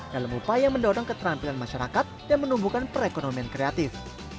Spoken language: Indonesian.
dalam upaya mendorong keterampilan masyarakat dan menumbuhkan perekonomian kreatif